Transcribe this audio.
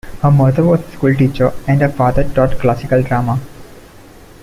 Her mother was a schoolteacher, and her father taught classical drama.